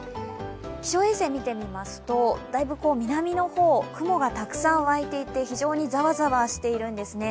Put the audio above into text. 気象衛星見てみますとだいぶ南の方、雲がたくさん湧いていて非常にざわざわしているんですね。